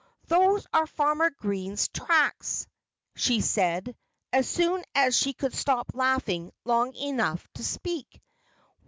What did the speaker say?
"Those are Farmer Green's tracks," she said, as soon as she could stop laughing long enough to speak.